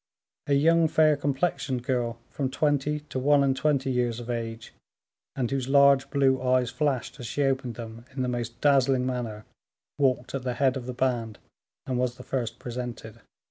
A young, fair complexioned girl, from twenty to one and twenty years of age, and whose large blue eyes flashed, as she opened them, in the most dazzling manner, walked at the head of the band and was the first presented.